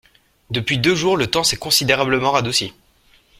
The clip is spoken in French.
Depuis deux jours le temps s’est considérablement radouci.